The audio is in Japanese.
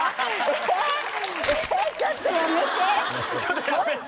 ええちょっとやめて！